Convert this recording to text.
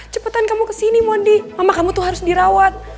cepetan kamu kesini mondi mama kamu tuh harus dirawat